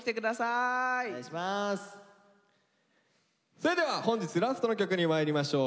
それでは本日ラストの曲にまいりましょう。